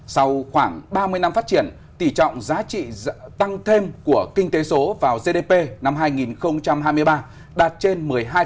sau khoảng ba mươi năm phát triển tỷ trọng giá trị tăng thêm của kinh tế số vào gdp năm hai nghìn hai mươi ba đạt trên một mươi hai